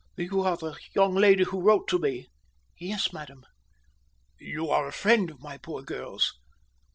"You are the young lady who wrote to me?" "Yes, madam." "You are a friend of my poor girl's?"